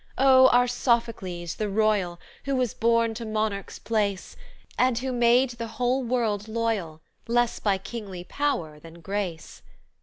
Oh, our Sophocles, the royal, Who was born to monarch's place, And who made the whole world loyal, Less by kingly power than grace.